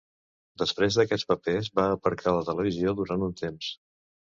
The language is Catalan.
Després d'aquests papers, va aparcar la televisió durant un temps.